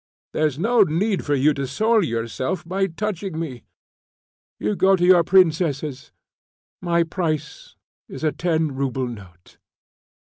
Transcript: There's no need for you to soil yourself by touching me. You go to your princesses; my price is a ten rouble note."